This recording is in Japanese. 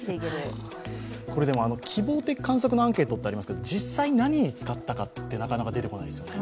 これ希望的観測のアンケートっていうのはありますけど実際に何に使ったかってなかなか出てこないですよね。